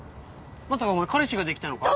まさかお前彼氏ができたのか？